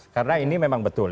karena ini memang betul